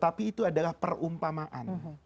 tapi itu adalah perumpamaan